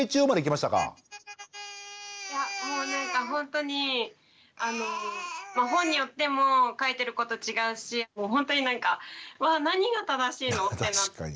もうなんかほんとに本によっても書いてること違うしほんとになんかわあ何が正しいの？ってなって。